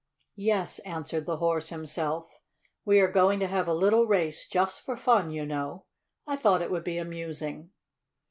"Yes," answered the Horse himself, "we are going to have a little race, just for fun, you know. I thought it would be amusing."